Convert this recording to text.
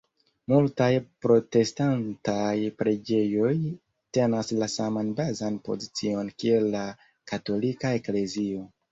Multaj protestantaj preĝejoj tenas la saman bazan pozicion kiel la katolika eklezio.